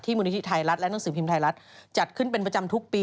มูลนิธิไทยรัฐและหนังสือพิมพ์ไทยรัฐจัดขึ้นเป็นประจำทุกปี